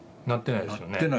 なってないですよね。